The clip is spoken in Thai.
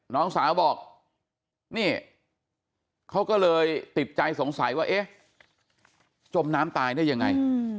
น้องสาวบอกนี่เขาก็เลยติดใจสงสัยว่าเอ๊ะจมน้ำตายได้ยังไง